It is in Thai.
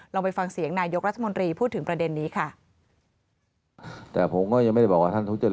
ไปฟังเสียงนายกรัฐมนตรีพูดถึงประเด็นนี้ค่ะ